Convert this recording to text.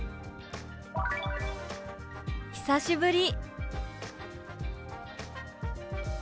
「久しぶり」。